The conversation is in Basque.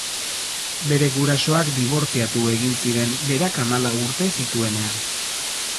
Bere gurasoak dibortziatu egin ziren berak hamalau urte zituenean.